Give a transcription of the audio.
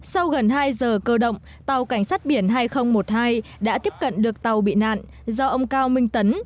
sau gần hai giờ cơ động tàu cảnh sát biển hai nghìn một mươi hai đã tiếp cận được tàu bị nạn do ông cao minh tấn